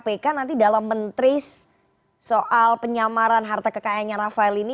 apakah akan menyulitkan kpk nanti dalam mentris soal penyamaran harta kekayaannya rafael ini